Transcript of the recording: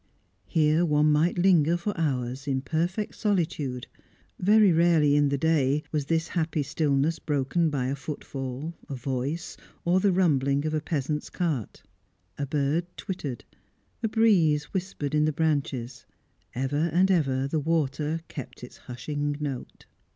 Here one might linger for hours, in perfect solitude; very rarely in the day was this happy stillness broken by a footfall, a voice, or the rumbling of a peasant's cart. A bird twittered, a breeze whispered in the branches; ever and ever the water kept its hushing note.